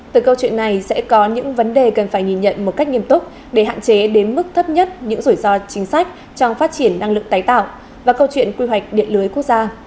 từ câu chuyện này sẽ có những vấn đề cần phải nhìn nhận một cách nghiêm túc để hạn chế đến mức thấp nhất những rủi ro chính sách trong phát triển năng lượng tái tạo và câu chuyện quy hoạch điện lưới quốc gia